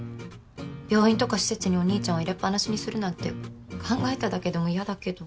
病院とか施設にお兄ちゃんを入れっぱなしにするなんて考えただけでも嫌だけど。